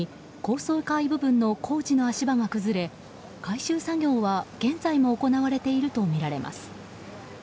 午後０時４０分ごろに高層階部分の工事の足場が崩れ、回収作業は現在も行われているとみられます。